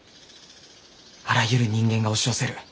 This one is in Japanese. あらゆる人間が押し寄せる。